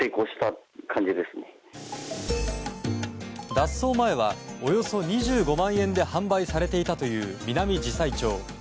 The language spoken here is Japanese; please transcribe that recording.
脱走前はおよそ２５万円で販売されていたというミナミジサイチョウ。